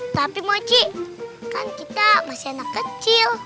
tapi moci kan kita masih anak kecil